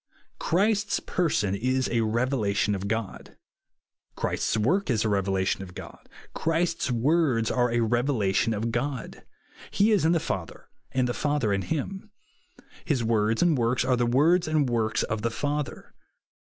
Christ's person is a revelation of God. Christ's work is a revelation of God. Christ's words are a revelation of God. He is in the Father, and the Father in him. His words and works are the words and works of the Father.